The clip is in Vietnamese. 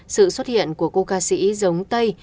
sự xuất hiện của cô ca sĩ giống tây